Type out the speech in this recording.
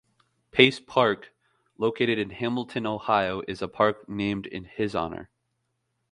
Pace Park, located in Hamilton, Ohio, is a park named in his honor.